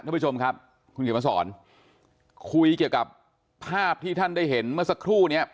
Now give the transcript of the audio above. ท่านผู้ชมครับคุณเขียนมาสอนคุยเกี่ยวกับภาพที่ท่านได้เห็นเมื่อสักครู่เนี้ย